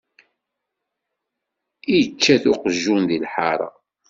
Ičča-t uqjun di lḥara.